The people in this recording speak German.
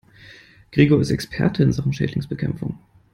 Gregor ist Experte in Sachen Schädlingsbekämpfung.